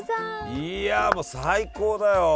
いやもう最高だよ！